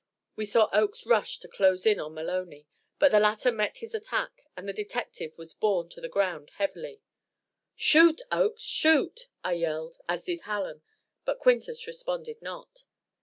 We saw Oakes rush to close in on Maloney, but the latter met his attack, and the detective was borne to the ground heavily. "Shoot, Oakes, shoot!" I yelled, as did Hallen; but Quintus responded not.